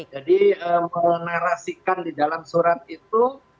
jadi menarasikan di dalam surat itu